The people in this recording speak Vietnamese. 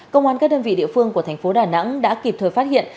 công an các đơn vị địa phương của thành phố đà nẵng đã kịp thời phát hiện